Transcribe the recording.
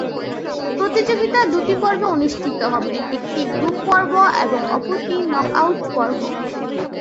প্রতিযোগিতা দুটি পর্বে অনুষ্ঠিত হবে; একটি গ্রুপ পর্ব এবং অপরটি নকআউট পর্ব।